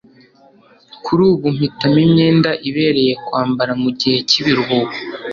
kuri ubu, mpitamo imyenda ibereye kwambara mugihe cyibiruhuko